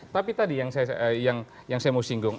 tapi tadi yang saya mau singgung